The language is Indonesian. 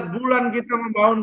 sebelas bulan kita membawa kerja